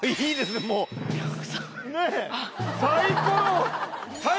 サイコロ。